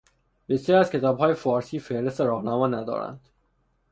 بسیاری از کتابهای فارسی فهرست راهنما ندارند.